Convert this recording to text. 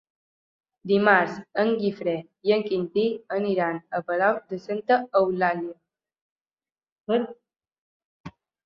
Dimarts en Guifré i en Quintí aniran a Palau de Santa Eulàlia.